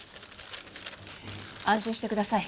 安心してください。